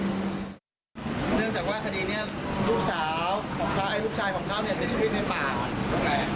บอกว่าคดีเนี่ยลูกสาวลูกชายของเขาเป็นชีวิตภ่าน